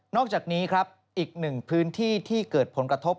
อกจากนี้ครับอีกหนึ่งพื้นที่ที่เกิดผลกระทบ